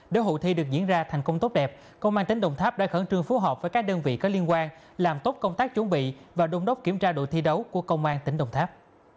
để hội thi được diễn ra thành công tốt đẹp công an tỉnh đồng tháp đã khẩn trương phối hợp với các đơn vị có liên quan làm tốt công tác chuẩn bị và đông đốc kiểm tra đội thi đấu của công an tỉnh đồng tháp